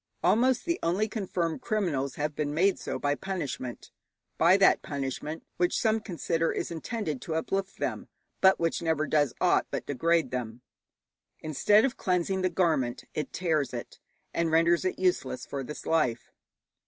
Almost the only confirmed criminals have been made so by punishment, by that punishment which some consider is intended to uplift them, but which never does aught but degrade them. Instead of cleansing the garment, it tears it, and renders it useless for this life.